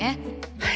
はい！